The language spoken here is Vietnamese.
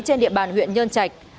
trên địa bàn huyện nhân trạch